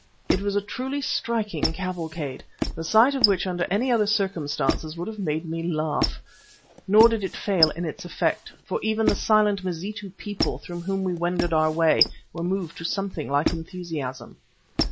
It was a truly striking cavalcade, the sight of which under any other circumstances would have made me laugh. Nor did it fail in its effect, for even the silent Mazitu people through whom we wended our way, were moved to something like enthusiasm.